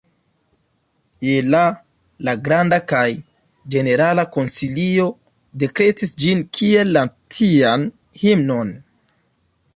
Je la la Granda kaj Ĝenerala Konsilio dekretis ĝin kiel nacian himnon.